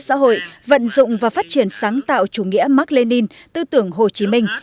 xã hội vận dụng và phát triển sáng tạo chủ nghĩa mạc lê ninh tư tưởng hồ chí minh